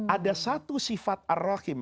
ada satu sifat ar rahim